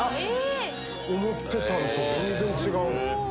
思ってたんと全然違う。